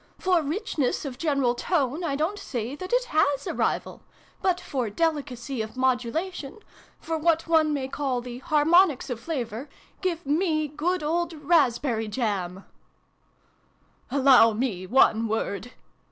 " For richness of general tone I don't say that it has a rival. But for delicacy of modulation for what one may call the ' harmonics ' of flavour give me good old raspberry jam \"" Allow me one word